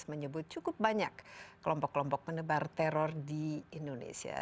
menyebut cukup banyak kelompok kelompok menebar teror di indonesia